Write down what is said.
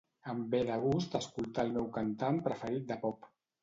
Em ve de gust escoltar al meu cantant preferit de pop.